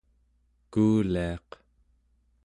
kuuliaq